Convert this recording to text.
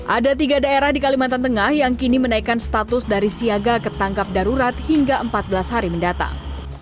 ada tiga daerah di kalimantan tengah yang kini menaikkan status dari siaga ketangkap darurat hingga empat belas hari mendatang